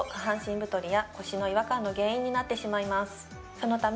そのため